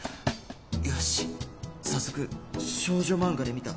よし早速少女漫画で見た